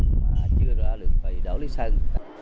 mà chưa ra được về đảo lý sơn